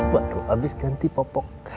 waduh habis ganti popok